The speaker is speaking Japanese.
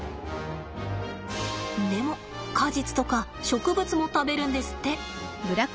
でも果実とか植物も食べるんですって。